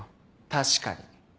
確かに。